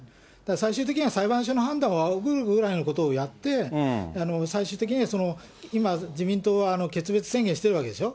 最終的には裁判所の判断をあおぐぐらいのことをやって、最終的に今、自民党は決別宣言しているわけでしょ。